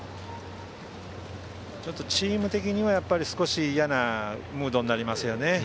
チーム的には、少しいやなムードになりますよね。